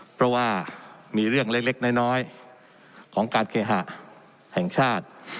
เพราะว่ามีเรื่องเล็กน้อยของการเคหะแห่งชาติ